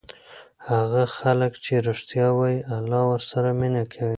هغه خلک چې ریښتیا وایي الله ورسره مینه کوي.